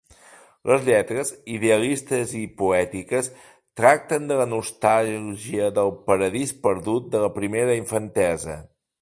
Les lletres, idealistes i poètiques, tracten de la nostàlgia del paradís perdut de la primera infantesa.